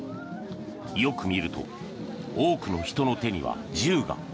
よく見ると多くの人の手には銃が。